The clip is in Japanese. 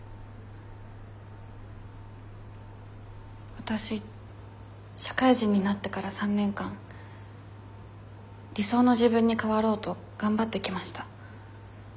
わたし社会人になってから３年間理想の自分に変わろうと頑張ってきました。